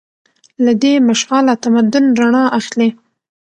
له دې مشعله تمدن رڼا اخلي.